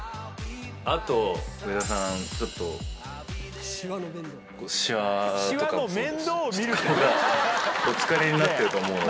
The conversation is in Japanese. あと上田さんちょっとシワとかもそうですし顔がお疲れになってると思うので。